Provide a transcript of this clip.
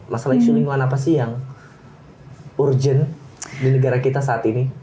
masalah isu lingkungan apa sih yang urgent di negara kita saat ini